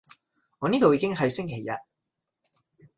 我呢度已經係星期日